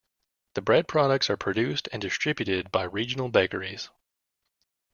The bread products are produced and distributed by regional bakeries.